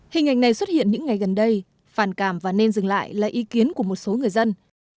hình ảnh này xuất hiện những ngày gần đây phản cảm và nên dừng lại là ý kiến của một số người dân